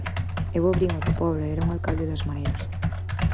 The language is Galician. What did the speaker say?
Eu abrín o da Pobra e era un alcalde das Mareas.